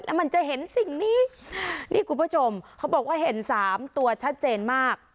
แล้วมันจะเห็นสิ่งนี้นี่คุณผู้ชมเขาบอกว่าเห็นสามตัวชัดเจนมาก